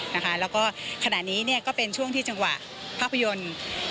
แล้วก็ขณะนี้ก็เป็นช่วงที่จังหวะภาพยนตร์